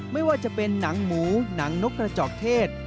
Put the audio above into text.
ไม่ว่าจะเป็นหนังหมูหนังนกกระจอกเทศ